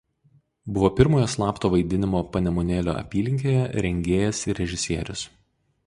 Buvo pirmojo slapto vaidinimo Panemunėlio apylinkėje rengėjas ir režisierius.